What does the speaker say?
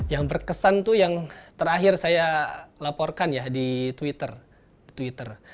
yang berkesan itu yang terakhir saya laporkan ya di twitter